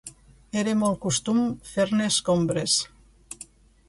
era molt costum fer-ne escombres